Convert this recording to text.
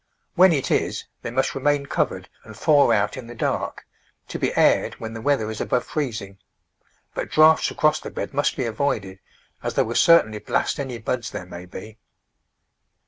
When it is, they must remain covere.d and thaw out in the dark, to be aired when the weather is above freez ing, but draughts across the bed must be avoided, as they will certainly blast any buds there may be.